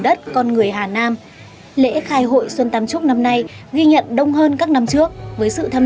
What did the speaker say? đất con người hà nam lễ khai hội xuân tam trúc năm nay ghi nhận đông hơn các năm trước với sự tham